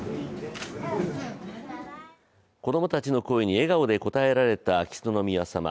子供たちの声に笑顔で応えられた秋篠宮さま。